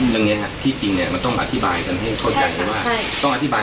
อย่างเงี้ยฮะที่จริงเนี้ยต้องอธิบายต้องอธิบาย